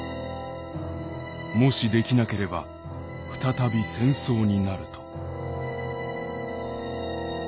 もしできなければ再び戦争になると」。